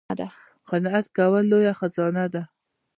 قناعت کول لویه خزانه ده